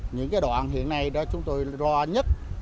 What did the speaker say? những cái đoạn hiện nay đó chúng tôi lo nhất